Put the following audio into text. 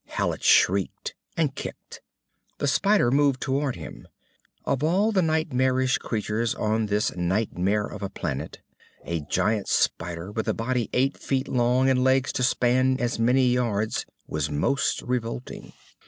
Hallet shrieked and kicked. The spider moved toward him. Of all nightmarish creatures on this nightmare of a planet, a giant spider with a body eight feet long and legs to span as many yards was most revolting.